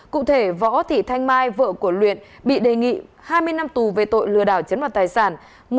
cụ thể võ thị thanh mai vợ của luyện bị đề nghị hai mươi năm tù về tội lừa đảo chiếm đoạt tài sản